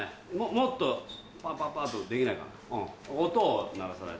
もっとパンパンパンっとできないかな？